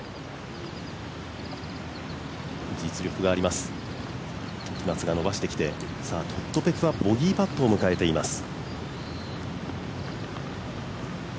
実力があります、時松が伸ばしてきてトッド・ペクはボギーパットを迎えています。